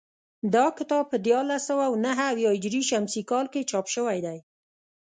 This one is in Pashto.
دا کتاب په دیارلس سوه نهه اویا هجري شمسي کال کې چاپ شوی دی